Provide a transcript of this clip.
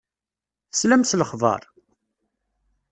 Teslam s lexber?